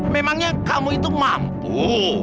memangnya kamu itu mampu